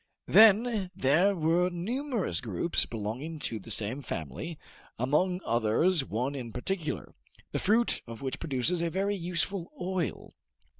Then there were numerous groups belonging to the same family, among others one in particular, the fruit of which produces a very useful oil.